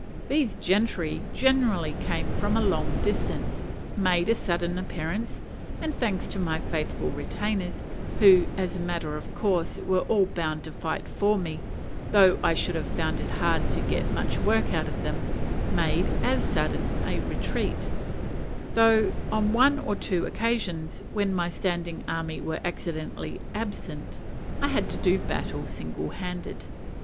These gentry generally came from a long distance, made a sudden appearance, and, thanks to my faithful retainers who, as a matter of course, were all bound to fight for me, though I should have found it hard to get much work out of them made as sudden a retreat; though on one or two occasions, when my standing army were accidentally absent, I had to do battle single handed.